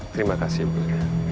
terima kasih bu hilda